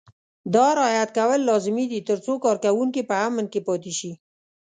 دا رعایت کول لازمي دي ترڅو کارکوونکي په امن کې پاتې شي.